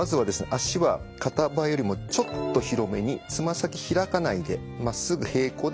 足は肩幅よりもちょっと広めにつま先開かないでまっすぐ平行で開いてみてください。